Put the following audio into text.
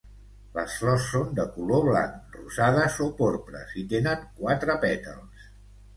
Les flors són de color blanc, rosades o porpres i tenen quatre pètals.